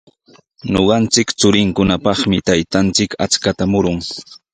Ñuqanchik churinkunapaqmi taytanchik achkata murun.